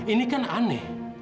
ini kan aneh